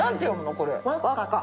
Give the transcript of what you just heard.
これ。